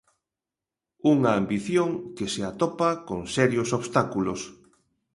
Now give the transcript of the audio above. Unha ambición que se atopa con serios obstáculos.